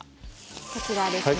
こちらですね。